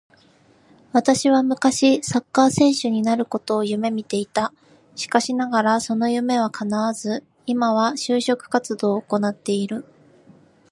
私は昔サッカー選手になることを夢見ていた。しかしながらその夢は叶わず、今は就職活動を行っている